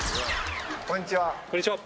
こんにちは！